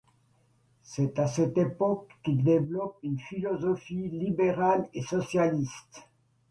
C'est à cette époque qu'il développe une philosophie libérale et socialiste.